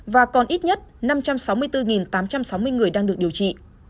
và còn ít nhất năm trăm sáu mươi bốn tám trăm sáu mươi người đang được điều trị